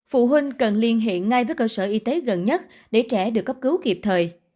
phụ huynh cần liên hệ ngay với cơ sở y tế gần nhất để trẻ được cấp cứu kịp thời